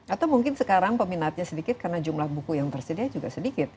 atau mungkin sekarang peminatnya sedikit karena jumlah buku yang tersedia juga sedikit